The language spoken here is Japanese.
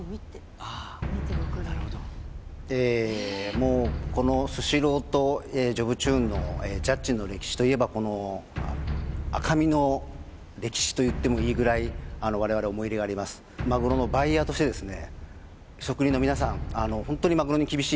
もうこのスシローと「ジョブチューン」のジャッジの歴史といえばこの赤身の歴史と言ってもいいぐらいまぐろのバイヤーとしてですね